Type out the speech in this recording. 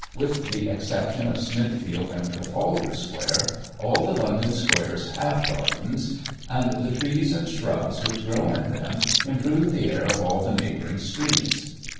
With the exception of Smithfield and Trafalgar square, all the London squares have gardens, and the trees and shrubs which grow in them improve the air of all the neighbouring streets.